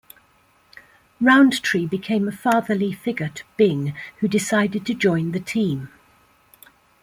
Roundtree became a fatherly figure to Bing, who decided to join the team.